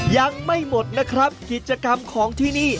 ยังไม่หมดนะครับกิจกรรมของที่นี่